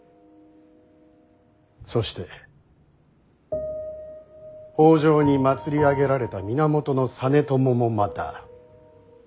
そして北条に祭り上げられた源実朝もまた真の鎌倉殿にあらず。